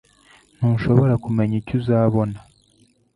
Ntushobora kumenya icyo uzabona.